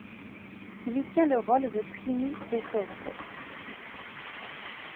Il y tient le rôle de Trini DeSoto.